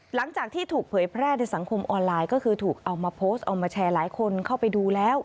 หลังจากที่ถูกเผยแพร่ในสังคมออนไลน์ก็คือถูกเอามาโพสต์เอามาแชร์หลายคนเข้าไปดูแล้ว